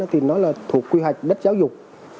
thì nó là thuộc quy hoạch đất giáo dục